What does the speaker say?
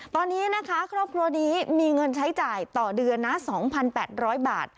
ตอนนี้นะคะครอบครัวนี้มีเงินใช้จ่ายต่อเดือนนะ๒๘๐๐บาท